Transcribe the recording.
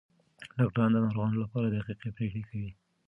ډاکټران د ناروغانو لپاره دقیقې پریکړې کوي.